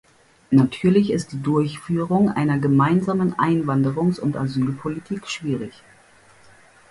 Natürlich ist die Durchführung einer gemeinsamen Einwanderungs- und Asylpolitik schwierig.